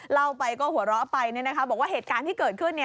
เล่าไปก็หัวเราะไปบอกว่าเหตุการณ์ที่เกิดขึ้น